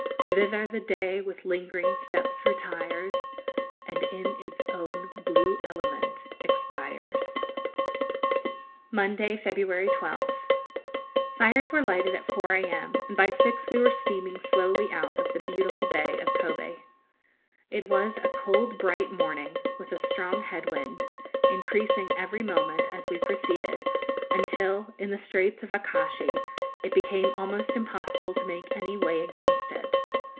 _ Thither the day with lingering steps retires, And in its own blue element expires. Monday, February 12th. Fires were lighted at 4 a.m., and by six we were steaming slowly out of the beautiful bay of Kobe. It was a cold bright morning, with a strong head wind, increasing every moment as we proceeded, until, in the straits of Akashi, it became almost impossible to make any way against it.